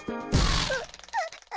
あっ。